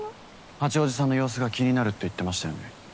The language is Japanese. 八王子さんの様子が気になると言ってましたよね？